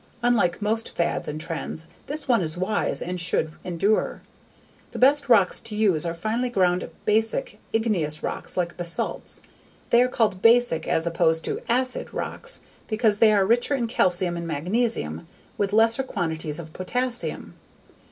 Unlike most fads and trends, this one is wise and should endure. The best rocks to use are finely ground "basic" igneous rocks like basalts. They are called basic as opposed to "acid" rocks because they are richer in calcium and magnesium with lesser quantities of potassium.